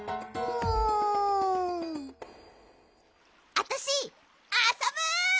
あたしあそぶ！